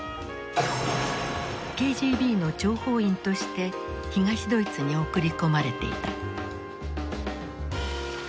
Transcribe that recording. ＫＧＢの諜報員として東ドイツに送り込まれていた。